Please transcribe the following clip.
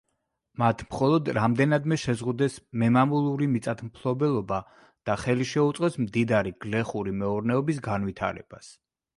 მათ მხოლოდ რამდენადმე შეზღუდეს მემამულური მიწათმფლობელობა და ხელი შეუწყვეს მდიდარი გლეხური მეურნეობის განვითარებას.